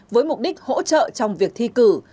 với mục đích hỗ trợ trong việc thi cử